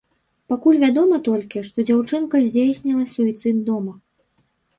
Пакуль вядома толькі, што дзяўчынка здзейсніла суіцыд дома.